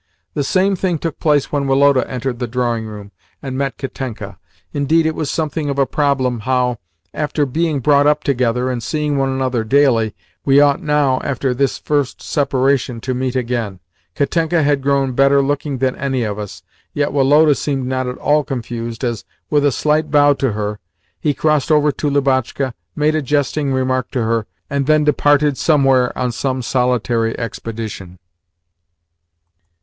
The same thing took place when Woloda entered the drawing room and met Katenka. Indeed, it was something of a problem how, after being brought up together and seeing one another daily, we ought now, after this first separation, to meet again. Katenka had grown better looking than any of us, yet Woloda seemed not at all confused as, with a slight bow to her, he crossed over to Lubotshka, made a jesting remark to her, and then departed somewhere on some solitary expedition.